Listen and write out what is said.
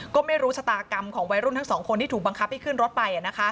ก็ไม่รู้ชะตากรรมของวัยรุ่นทั้งสองคนที่ถูกบังคับให้ขึ้นรถไป